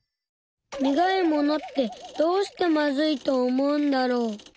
苦いものってどうしてまずいと思うんだろう。